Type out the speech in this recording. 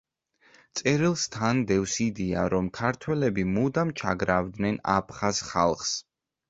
წერილს თან დევს იდეა, რომ ქართველები მუდამ ჩაგრავდნენ აფხაზ ხალხს.